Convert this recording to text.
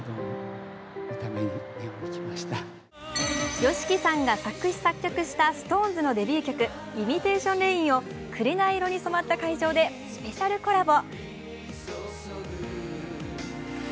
ＹＯＳＨＩＫＩさんが作詞作曲したＳｉｘＴＯＮＥＳのデビュー曲「ＩｍｉｔａｔｉｏｎＲａｉｎ」を紅色に染まった会場でスペシャルコラボ。